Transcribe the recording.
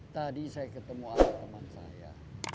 tadi saya ketemu sama teman saya